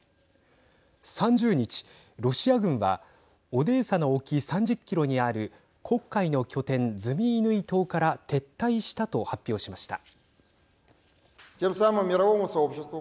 ３０日、ロシア軍はオデーサの沖３０キロにある黒海の拠点、ズミイヌイ島から撤退したと発表しました。